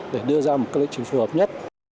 để đưa ra một lộ trình phù hợp nhất